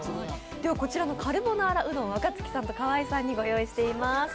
こちらのカルボナーラうどん、若槻さんと河井さんにご用意しています。